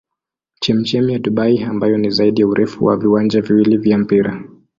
Chemchemi ya Dubai ambayo ni zaidi ya urefu wa viwanja viwili vya mpira.